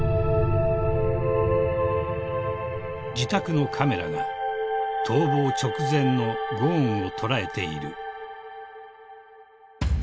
［自宅のカメラが逃亡直前のゴーンを捉えている］